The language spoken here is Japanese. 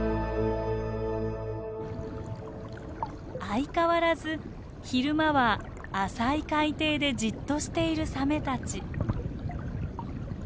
相変わらず昼間は浅い海底でじっとしているサメたち。